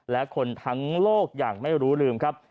และคนทั้งโลกอย่างไม่รู้ลืมครับ